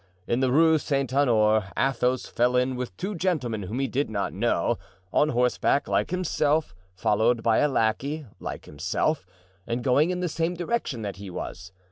In the Rue Saint Honore Athos fell in with two gentlemen whom he did not know, on horseback like himself, followed by a lackey like himself, and going in the same direction that he was.